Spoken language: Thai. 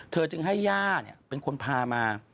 จึงให้ย่าเป็นคนพามา